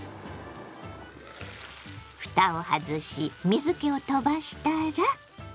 ふたを外し水けを飛ばしたら。